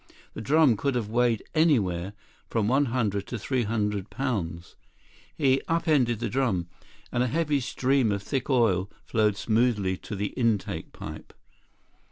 The drum could have weighed anywhere from one hundred to three hundred pounds. He up ended the drum, and a heavy stream of thick oil flowed smoothly to the intake pipe.